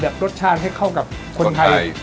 รสชาติให้เข้ากับคนไทย